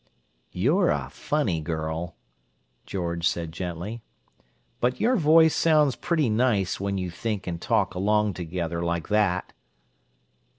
"You're a funny girl," George said gently. "But your voice sounds pretty nice when you think and talk along together like that!"